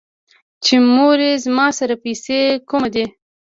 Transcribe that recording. چې مورې زما سره پېسې کوم دي ـ